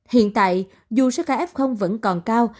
hiện tại dù số ca f vẫn còn cao